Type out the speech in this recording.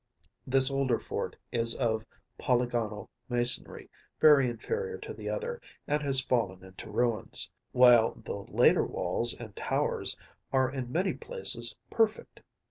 This older fort is of polygonal masonry, very inferior to the other, and has fallen into ruins, while the later walls and towers are in many places perfect.